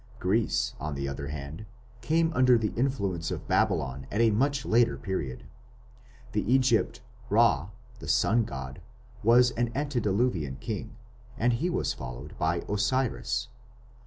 Greece, on the other hand, came under the influence of Babylon at a much later period. In Egypt Ra, the sun god, was an antediluvian king, and he was followed by Osiris.